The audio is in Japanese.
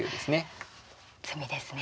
あっ詰みですね。